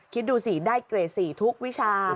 คิดดูสิได้เกรด๔ทุกวิชา